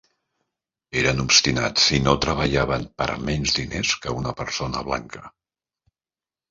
Eren obstinats i no treballaven per menys diners que una persona blanca.